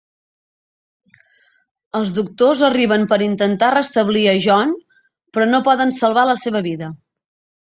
Els doctors arriben per intentar restablir a John, però no poden salvar la seva vida.